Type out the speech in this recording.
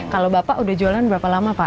kalau bapak udah jualan berapa lama pak